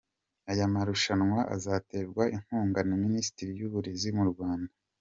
Aya marushanwa azaterwa inkunga na Minisiteri y’u Burezi mu Rwanda.